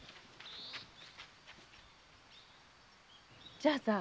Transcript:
じゃあさ